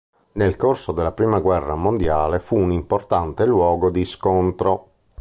Nel corso della prima guerra mondiale fu un importante luogo di scontro.